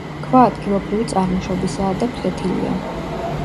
ქვა ადგილობრივი წარმოშობისაა და ფლეთილია.